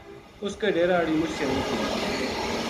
اُس کا ڈیرا ہاڑی مچ سیانی تھی